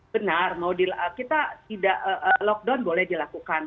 benar kita tidak lockdown boleh dilakukan